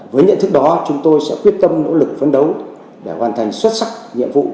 với nhận thức đó chúng tôi sẽ quyết tâm nỗ lực phấn đấu để hoàn thành xuất sắc nhiệm vụ